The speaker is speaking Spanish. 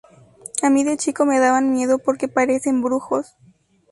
A mí de chico me daban miedo porque parecen brujos.